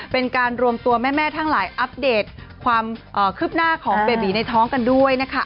เป็นการรวมตัวแม่ทั้งหลายอัปเดตความคืบหน้าของเบบีในท้องกันด้วยนะคะ